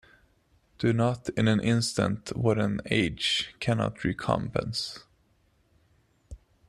Do not in an instant what an age cannot recompense.